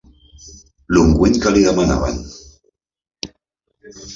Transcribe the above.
L'ungüent que li demanaven.